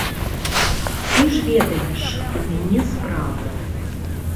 Ты ж ведаеш, у мяне справы.